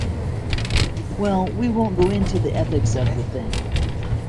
Well, we won't go into the ethics of the thing.